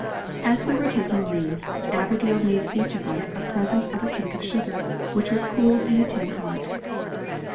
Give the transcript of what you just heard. As we were about taking leave, Abigail made each of us a present of a cake of sugar, which was cooled in a tin heart.